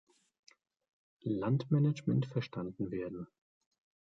Landmanagement verstanden werden.